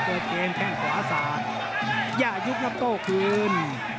เกิดเกมแท่งขวา๓ย่ายุทธ์กับโต้คืน